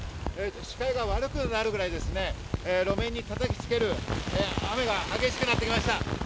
視界が悪くなるくらい路面に叩きつける雨が激しくなってきました。